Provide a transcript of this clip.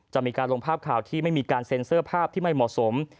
จะมีการลงภาพข่าวที่ไม่มีการเซ็นเซอร์ภาพที่ไม่เหมาะสม